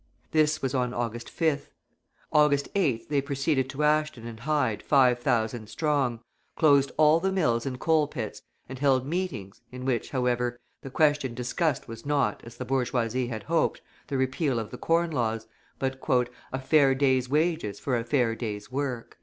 This was on August 5th. August 8th they proceeded to Ashton and Hyde five thousand strong, closed all the mills and coal pits, and held meetings, in which, however, the question discussed was not, as the bourgeoisie had hoped, the repeal of the Corn Laws, but, "a fair day's wages for a fair day's work."